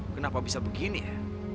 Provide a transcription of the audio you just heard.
kenapa bisa begini ya